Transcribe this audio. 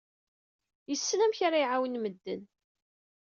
Yessen amek ara iɛawen medden.